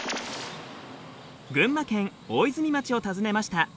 群馬県大泉町を訪ねました。